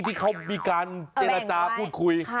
ที่เขามีการเป็นอาจารย์พูดคุย